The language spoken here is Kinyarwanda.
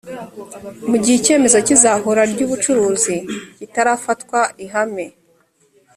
mu gihe icyemezo cy’izahura ry’ubucuruzi kitarafatwa ihangane